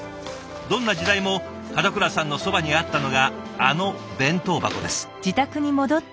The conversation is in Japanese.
どんな時代も門倉さんのそばにあったのがあの弁当箱です。